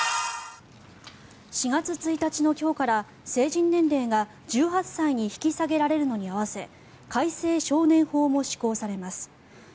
４月１日の今日から成人年齢が１８歳に引き下げられるのに合わせ改正少年法も施行されます。